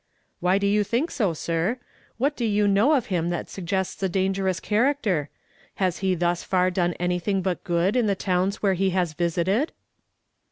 "Why do you think so, sir? What do you know of him that suggests a dangerous eliaracter? Has he thus far done anything but good in the towns where he has visited